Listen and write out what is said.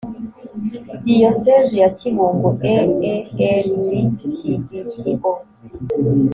diosezi ya kibungo e e r d kbgo